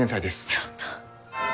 やった！